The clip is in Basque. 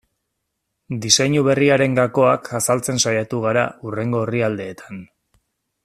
Diseinu berriaren gakoak azaltzen saiatu gara hurrengo orrialdeetan.